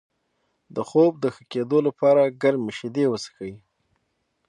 د خوب د ښه کیدو لپاره ګرمې شیدې وڅښئ